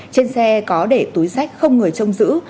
trên xe có để túi sách không người trông giữ